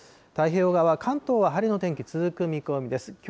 太平洋側、関東は晴れの天気続く見込みです。